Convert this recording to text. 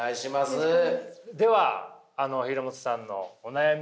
では廣本さんのお悩み。